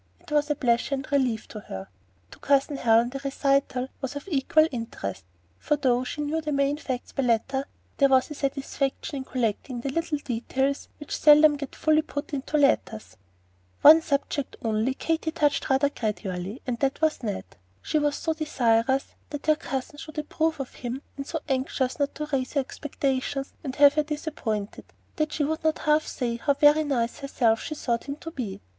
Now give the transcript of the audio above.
It was a pleasure and relief to her; and to Cousin Helen the recital was of equal interest, for though she knew the main facts by letter, there was a satisfaction in collecting the little details which seldom get fully put into letters. One subject only Katy touched rather guardedly; and that was Ned. She was so desirous that her cousin should approve of him, and so anxious not to raise her expectations and have her disappointed, that she would not half say how very nice she herself thought him to be.